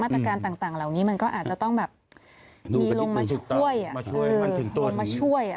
ตรการต่างเหล่านี้มันก็อาจจะต้องแบบมีลงมาช่วยลงมาช่วย